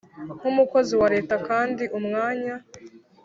nk umukozi wa Leta kandi umwanya